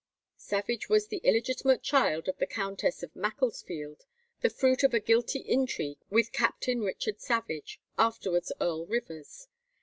Savage was the illegitimate child of the Countess of Macclesfield, the fruit of a guilty intrigue with Captain Richard Savage, afterwards Earl Rivers.